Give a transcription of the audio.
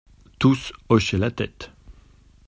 Tous hochaient la tête.